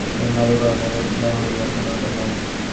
তুমি ভাল, কারণ এরূপ না হইয়া তোমার উপায় নাই।